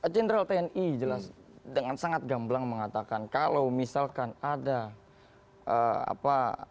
jenderal tni jelas dengan sangat gamblang mengatakan kalau misalkan ada apa